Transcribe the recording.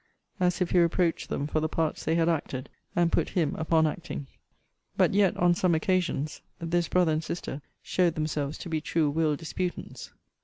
as if he reproached them for the parts they had acted, and put him upon acting. But yet, on some occasions, this brother and sister showed themselves to be true will disputants.